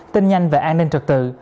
tin nhanh về an ninh trực tự